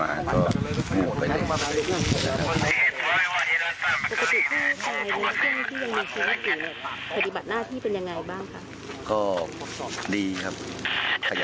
อาถึงไหนแล้วครับเนี่ย